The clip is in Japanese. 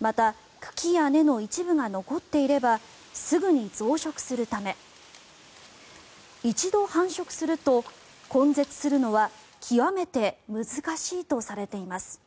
また、茎や根の一部が残っていればすぐに増殖するため一度繁殖すると根絶するのは極めて難しいとされています。